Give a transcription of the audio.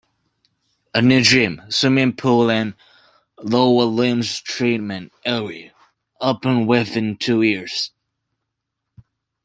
A new gym, swimming pool and lower limbs treatment area opened within two years.